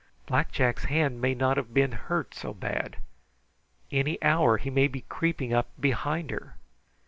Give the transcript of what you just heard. Black Jack's hand may not have been hurt so bad. Any hour he may be creeping up behind her!